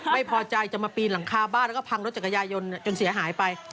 ไม่พอใจจะมาปีนหลังคาบ้านแล้วก็พังรถจักรยานยนต์จนเสียหายไป